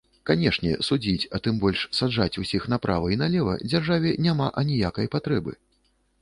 Канешне, судзіць, а тым больш саджаць усіх направа і налева дзяржаве няма аніякай патрэбы.